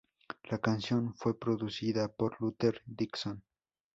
La canción fue producida por Luther Dixon.